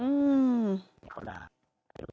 ก็ได้